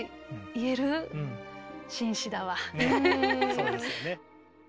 そうですよね。